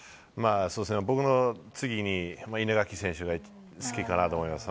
僕の次に稲垣選手が好きかなと思います。